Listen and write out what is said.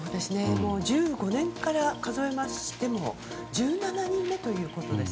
１５年から数えましても１７人目ということです。